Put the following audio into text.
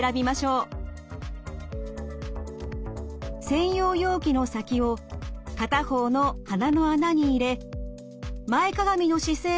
専用容器の先を片方の鼻の穴に入れ前かがみの姿勢で食塩水を流し込みます。